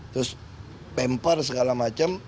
terus pempar segala macam